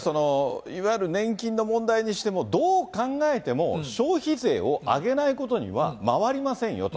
いわゆる年金の問題にしても、どう考えても、消費税を上げないことには回りませんよと。